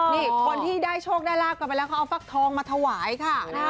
นี่คนที่ได้โชคได้ลาบกันไปแล้วเขาเอาฟักทองมาถวายค่ะ